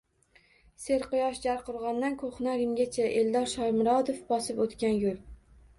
Serquyosh Jarqo‘rg‘ondan ko‘hna Rimgacha. Eldor Shomurodov bosib o‘tgan yo‘l